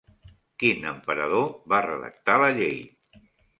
Quin emperador va redactar la llei?